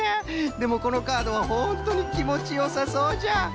でもこのカードはほんとにきもちよさそうじゃ。